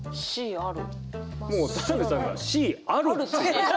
もう田辺さんがＣあるって。